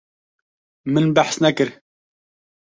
Min behs nekir.